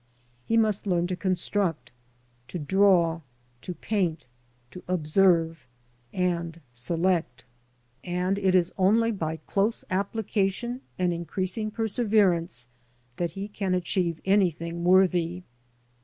He must learn to construct, to draw, to paint, to observe, and select. xii PREFACE. And it is only by dose application and increasing perseverance that he can achieve anything worthy.